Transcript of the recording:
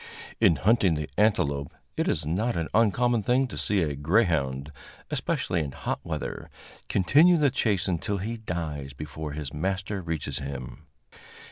In hunting the antelope, it is not an uncommon thing to see a greyhound, especially in hot weather, continue the chase until he dies before his master reaches him.